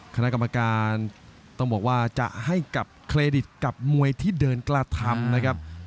คณะกรรมการต้องบอกว่าจะให้กับเครดิตกับมวยที่เดินกระทำนะครับ